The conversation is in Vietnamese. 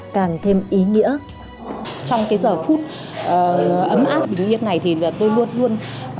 cảm ơn các bạn